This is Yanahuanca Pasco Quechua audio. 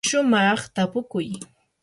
shumaq tapukuy.